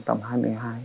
rất mong nhân dân